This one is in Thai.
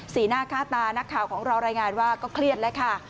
หน้าค่าตานักข่าวของเรารายงานว่าก็เครียดแล้วค่ะ